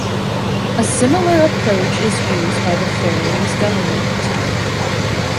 A similar approach is used by the Faroese government.